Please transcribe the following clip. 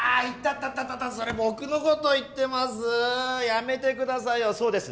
やめてくださいよそうです